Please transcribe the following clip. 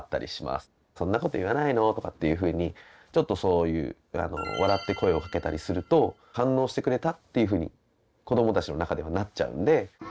「そんなこと言わないの」とかっていうふうにちょっとそういう笑って声をかけたりすると「反応してくれた！」っていうふうに子どもたちの中ではなっちゃうんで。